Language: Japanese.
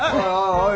おい